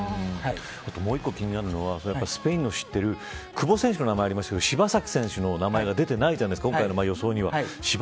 もう一つ気になるのはスペインの知っている久保選手の名前はありますが柴崎選手の名前が出ていないじゃないですか。